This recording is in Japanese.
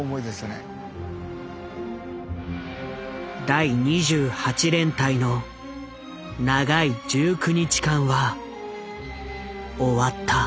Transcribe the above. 第２８連隊の長い１９日間は終わった。